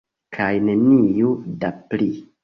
Kaj neniu da pli.